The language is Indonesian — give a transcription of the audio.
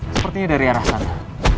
sepertinya dari arah sana